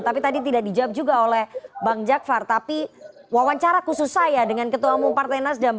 tapi tadi tidak dijawab juga oleh bang jakvar tapi wawancara khusus saya dengan ketua mumpartai nasdam